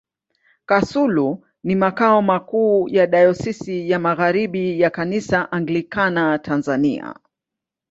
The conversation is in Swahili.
Kasulu ni makao makuu ya Dayosisi ya Magharibi ya Kanisa Anglikana Tanzania.